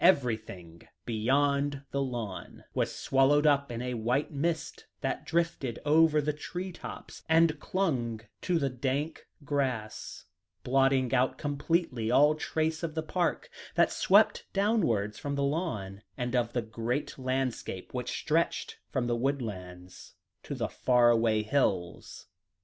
Everything beyond the lawn was swallowed up in a white mist that drifted over the tree tops, and clung to the dank grass, blotting out completely all trace of the park, that swept downwards from the lawn, and of the great landscape which stretched from the woodlands to the far away hills.